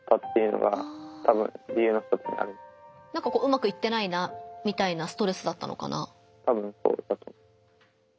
うまくいってないなみたいなストレスだったのかな。